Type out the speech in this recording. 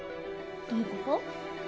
どういうこと？